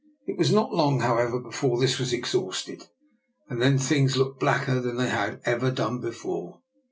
It was not long, however, before this was exhausted, and then things looked blacker than they had ever done before.